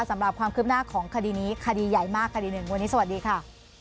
สำหรับความคืบหน้าของคดีนี้คดีใหญ่มากคดีหนึ่งวันนี้สวัสดีค่ะ